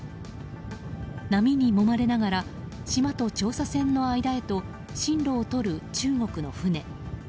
波にもまれながら島と調査船の間へと進路をとる中国の船。